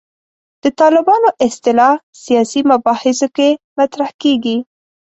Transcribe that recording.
د طالبانو اصطلاح سیاسي مباحثو کې مطرح کېږي.